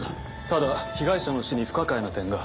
ただ被害者の死に不可解な点が。